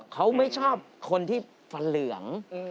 เขาไม่ชอบคนที่ฟันเหลือง